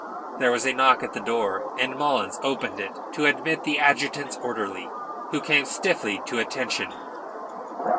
There was a knock at the door, and Mullins opened it to admit the adjutant's orderly, who came stiffly to attention.